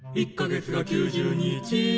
「１か月が９０日」